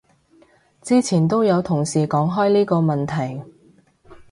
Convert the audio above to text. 之前都有同事講開呢個問題